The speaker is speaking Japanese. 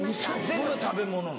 全部食べ物なの？